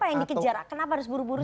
apa yang dikejar kenapa harus buru buru